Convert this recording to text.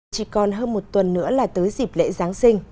chỉ còn hơn một tuần nữa là tới dịp lễ giáng sinh